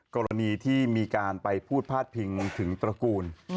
กรณีที่มีการไปพูดพาดพิงถึงตระกูล